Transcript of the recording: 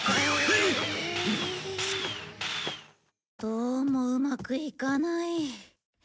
どうもうまくいかない。